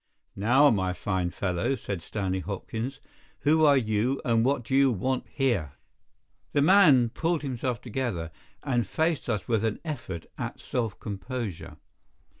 "Now, my fine fellow," said Stanley Hopkins, "who are you, and what do you want here?" The man pulled himself together, and faced us with an effort at self composure.